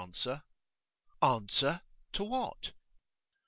'Answer? To what?